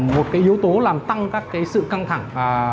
một cái yếu tố làm tăng các cái sự căng thẳng